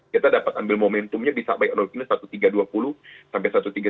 kita dapat ambil momentumnya bisa buy on witness rp satu tiga ratus dua puluh satu tiga ratus tiga puluh